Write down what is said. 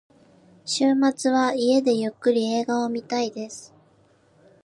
週末は家でゆっくり映画を見たいです。